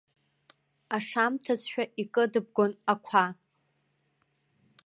Ашамҭазшәа икыдбгон ақәа.